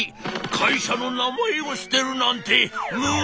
「会社の名前を捨てるなんてムーリー！」。